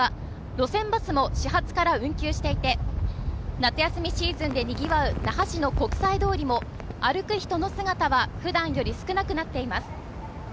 路線バスも始発から運休していて夏休みシーズンでにぎわう那覇市の国際通りも歩く人の姿はふだんより少なくなっています